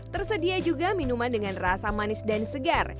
tersedia juga minuman dengan rasa manis dan segar